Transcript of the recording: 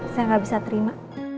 saya gak bisa terima